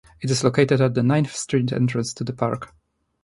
It is located at the Ninth Street entrance to the park.